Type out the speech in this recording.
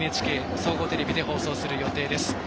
ＮＨＫ総合テレビで放送する予定です。